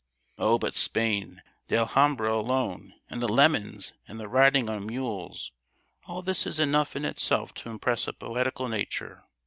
"Oh, but Spain—the Alhambra alone—and the lemons, and the riding on mules. All this is enough in itself to impress a poetical nature.